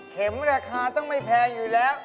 ราคาต้องไม่แพงอยู่แล้ว